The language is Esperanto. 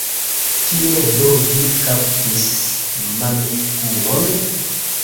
Kiel do vi kaptis Mametkulon?